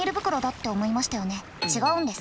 違うんです。